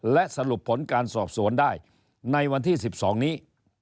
และสรุปผลการสอบสวนได้ในวันที่๑๒นี้